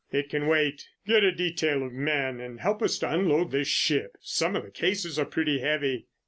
"It can wait. Get a detail of men and help us to unload this ship. Some of the cases are pretty heavy."